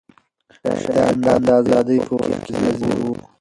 شاهدان د ازادۍ په وخت کې حاضر وو.